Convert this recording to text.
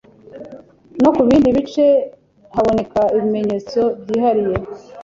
No ku bindi bice haboneka ibimenyetso byihariye”.